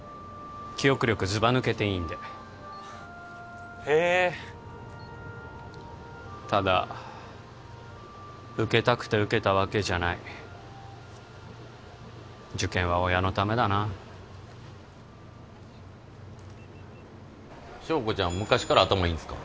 記憶力ずばぬけていいんでへえただ受けたくて受けたわけじゃない受験は親のためだな硝子ちゃん昔から頭いいんですか？